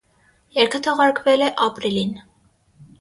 Երգը թողարկվել է ապրիլին։